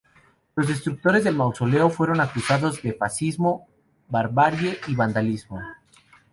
Los destructores del mausoleo fueron acusados de "fascismo, barbarie y vandalismo".